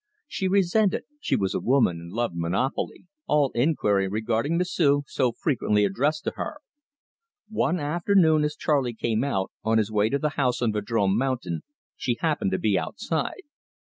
She resented she was a woman and loved monopoly all inquiry regarding M'sieu', so frequently addressed to her. One afternoon, as Charley came out, on his way to the house on Vadrome Mountain, she happened to be outside.